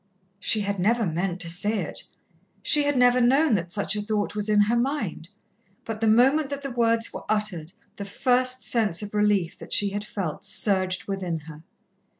She had never meant to say it she had never known that such a thought was in her mind, but the moment that the words were uttered, the first sense of relief that she had felt surged within her.